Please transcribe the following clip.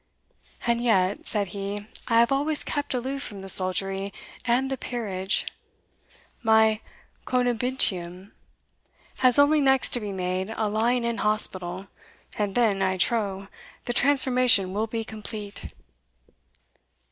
"And yet," said he, "I have always kept aloof from the soldiery and the peerage. My coenobitium has only next to be made a lying in hospital, and then, I trow, the transformation will be complete."